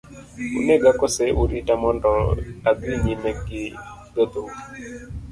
Unega kose urita mondo adhi nyime gi dhodhou.